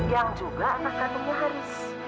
yang juga anak kandungnya haris